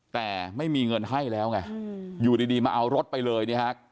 แต่ไม่มีเงินให้แล้วไงอยู่ดีมาเอารถไปเลยเนี่ยฮะ